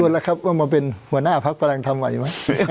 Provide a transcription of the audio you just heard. ชวนแล้วครับมาเป็นหัวหน้าภักร์พระรังค์ทำใหม่ไหม